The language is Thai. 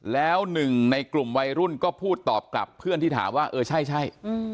แล้วหนึ่งในกลุ่มวัยรุ่นก็พูดตอบกลับเพื่อนที่ถามว่าเออใช่